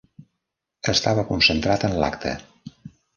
Estava concentrat en l'acte.